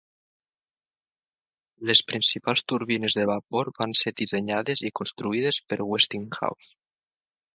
Les principals turbines de vapor van ser dissenyades i construïdes per Westinghouse.